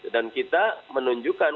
dan kita menunjukkan